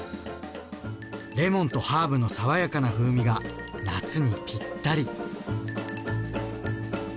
レモンとハーブの爽やかな風味が夏にぴったり。